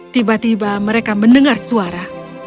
tiba tiba mereka mendengar suara